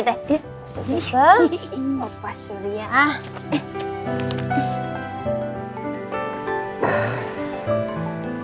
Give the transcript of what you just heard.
sampai jumpa opa surya